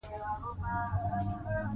مېوې د افغانستان د امنیت په اړه هم اغېز لري.